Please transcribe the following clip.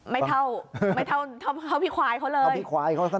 ไม่เท่าพี่ควายเขาเลย